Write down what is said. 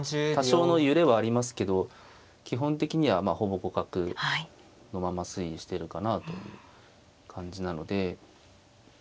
多少の揺れはありますけど基本的にはほぼ互角のまま推移してるかなという感じなので。